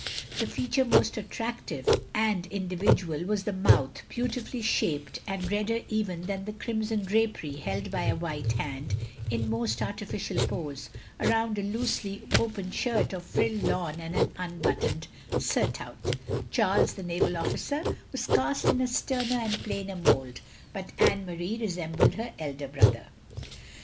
The feature most attractive and individual was the mouth, beautifully shaped, and redder even than the crimson drapery held by a white hand, in most artificial pose, around a loosely open shirt of frilled lawn, and an unbuttoned surtout Charles, the naval officer, was cast in a sterner OF GROSVENOR SQUARE 37 and plainer motild; but Anne Marie resembled her elder brother.